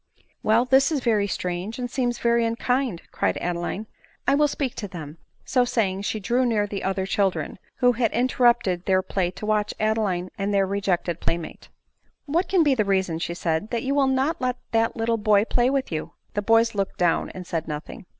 " Well ; this is very strange, and seems very unkind," cried Adeline ; w I will speak to them." So saying, she drew near the other children, who had interrupted their play to watch Adeline and their rejected playmate. .„_^ x 156 ADELINE MOWBRAY. " What can be the reason," said she, " that you will not let that little boy play with you?" The boys looked down, and said nothing.